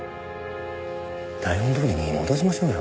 台本通りに戻しましょうよ。